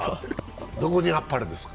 どこにあっぱれですか？